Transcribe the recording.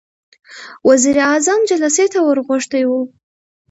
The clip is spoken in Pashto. وزير اعظم جلسې ته ور غوښتی و.